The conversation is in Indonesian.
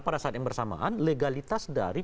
pada saat yang bersamaan legalitas dari